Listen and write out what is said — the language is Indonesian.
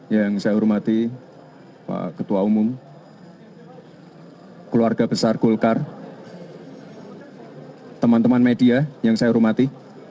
yang saya hormati pak ketua umum keluarga besar golkar teman teman media yang saya hormati